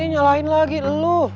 nyalahin lagi elu